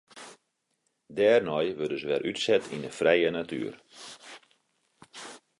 Dêrnei wurde se wer útset yn de frije natuer.